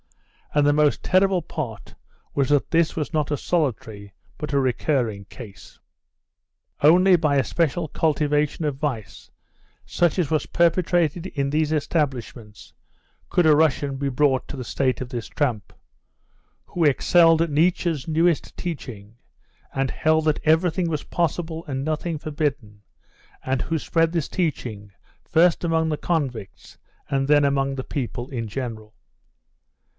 And the most terrible part was that this was not a solitary, but a recurring case. Only by a special cultivation of vice, such as was perpetrated in these establishments, could a Russian be brought to the state of this tramp, who excelled Nietzsche's newest teaching, and held that everything was possible and nothing forbidden, and who spread this teaching first among the convicts and then among the people in general.